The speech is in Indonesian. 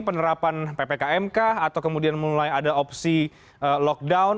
penerapan ppkmk atau kemudian mulai ada opsi lockdown